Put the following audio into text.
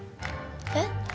えっ？